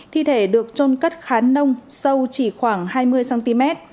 thi thể được trôn cất khá nông sâu chỉ khoảng hai mươi cm